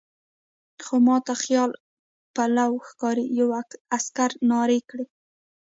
خو ما ته خیال پلو ښکاري، یوه عسکر نارې کړې.